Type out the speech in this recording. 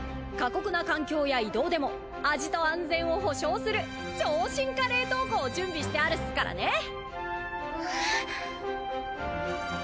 過酷な環境や移動でも味と安全を保証する超進化冷凍庫を準備してあるっすからね！